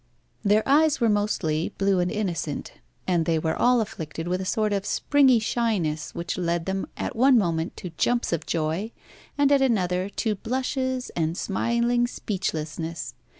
Their eyes were mostly blue and innocent, and they were all afflicted with a sort of springy shyness which led them at one moment to jumps of joy, and at another to blushes and smiling speechlessness.